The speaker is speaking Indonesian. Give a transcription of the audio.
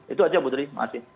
itu aja bu tri makasih